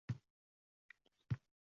— Domla, shu odamning bahridan o‘ting.